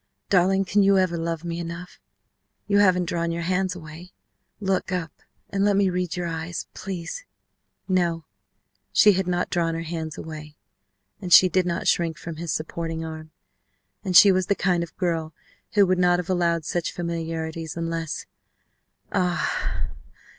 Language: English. Darling, can you ever love me enough? You haven't drawn your hands away! Look up and let me read your eyes, please " No, she had not drawn her hands away, and she did not shrink from his supporting arm and she was the kind of girl who would not have allowed such familiarities unless _Ah!